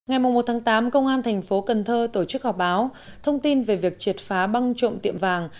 ngày một tám công an thành phố cần thơ tổ chức họp báo thông tin về việc triệt phá băng trộm tiệm vàng